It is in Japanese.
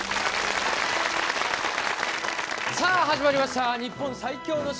さあ始まりました「日本最強の城」。